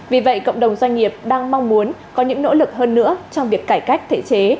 vì vậy cộng đồng doanh nghiệp đang mong muốn có những nỗ lực hơn nữa trong việc cải cách thể chế